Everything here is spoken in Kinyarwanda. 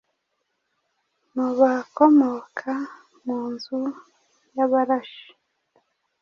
mu bakomoka mu nzu y’Abarashi